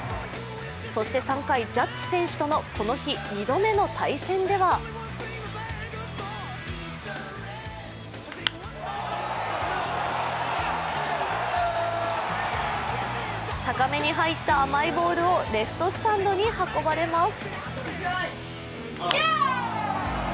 そして３回、ジャッジ選手とのこの日２度目の対戦では高めに入った甘いボールをレフトスタンドに運ばれます。